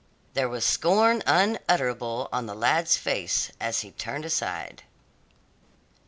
There was scorn unutterable on the lad's face as he turned aside.